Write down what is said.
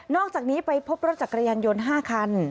อกจากนี้ไปพบรถจักรยานยนต์๕คัน